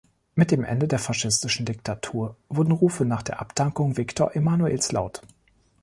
Mit dem Ende der faschistischen Diktatur wurden Rufe nach der Abdankung Viktor Emanuels laut.